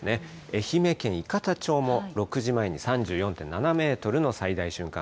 愛媛県伊方町も６時前に３４．７メートルの最大瞬間